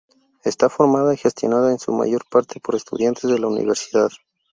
Está formada y gestionada en su mayor parte por estudiantes de la Universidad.